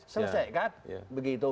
selesai kan begitu